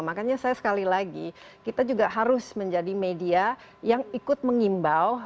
makanya saya sekali lagi kita juga harus menjadi media yang ikut mengimbau